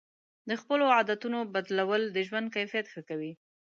د خپلو عادتونو بدلول د ژوند کیفیت ښه کوي.